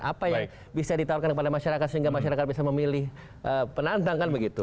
apa yang bisa ditawarkan kepada masyarakat sehingga masyarakat bisa memilih penantang kan begitu